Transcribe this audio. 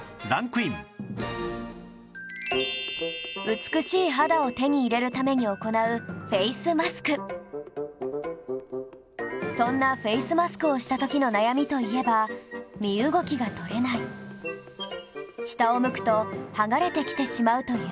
美しい肌を手に入れるために行うそんなフェイスマスクをした時の悩みといえば身動きが取れない下を向くと剥がれてきてしまうというもの